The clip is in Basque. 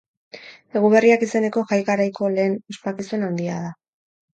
Eguberriak izeneko jai-garaiko lehen ospakizun handia da.